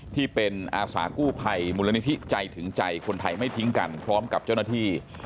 ที่เป็นอาสากู้ภัยมูลนิธิใจถึงใจคนไทยไม่ทิ้งกันพร้อมกับเจ้าหน้าที่